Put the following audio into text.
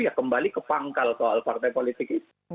ya kembali ke pangkal soal partai politik itu